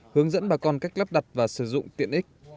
hướng dẫn bà con cách lắp đặt và sử dụng tiện ích